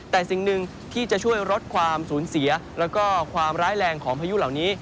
แต่สิ่งหนึ่งที่จะช่วยลดความสูญเสียแล้วก็ความร้ายแรงของพายุเหล่านี้